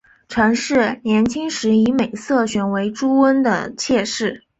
陈氏年轻时以美色选为朱温的妾室。